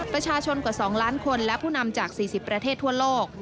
ประชาชนกว่า๒ล้านคนและผู้นำจาก๔๐ประเทศทั่วโลก